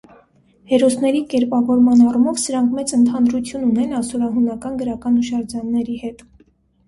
Հերոսների կերպավորման առումով սրանք մեծ ընդհանրություն ունեն ասորահունական գրական հուշարձանների հետ։